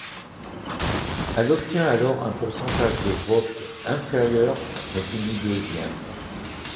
Elle obtient alors un pourcentage de vote inférieur mais finit deuxième.